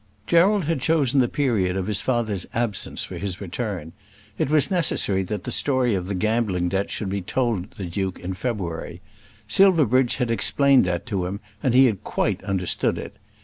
Gerald had chosen the period of his father's absence for his return. It was necessary that the story of the gambling debt should be told the Duke in February. Silverbridge had explained that to him, and he had quite understood it.